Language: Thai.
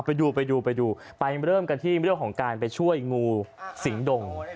ไปดูไปดูไปดูไปเริ่มกันที่เรื่องของการไปช่วยงูสิงดง